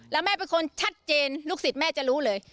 แล้วแม่เป็นคนชัดเจนลูกศิษย์แม่จะรู้เลย